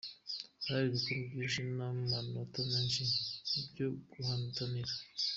Hari ibikombe byinshi n'amanota menshi byo guhatanira".